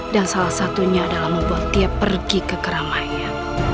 dan salah satunya adalah membuat dia pergi ke keramahnya